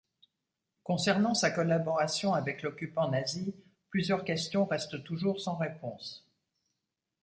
Concernant sa collaboration avec l'occupant nazi, plusieurs questions restent toujours sans réponse.